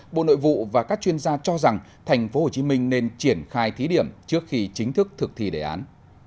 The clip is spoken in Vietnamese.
bộ nội vụ và các chuyên gia cho rằng thành phố hồ chí minh nên triển khai thí điểm trước khi chính thức thực thi đề án